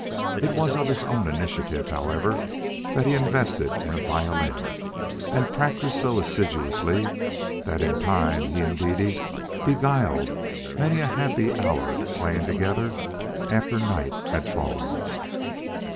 It was of his own initiative, however, that he invested in a violin, and practised so assiduously that in time he and Dede beguiled many a happy hour playing together after night had fallen.